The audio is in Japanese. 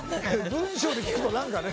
文章で聞くと何かね。